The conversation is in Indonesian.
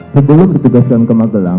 sebelum ditugaskan ke magelang